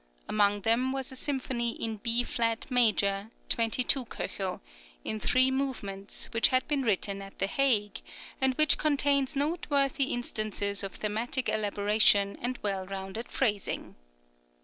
Among them was a Symphony in B flat major (22 K.), in three movements, which had been written at the Hague, and which contains noteworthy instances of thematic elaboration and well rounded phrasing.